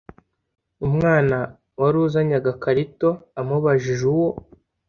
umwana wari uzanye agakarito amubajije uwo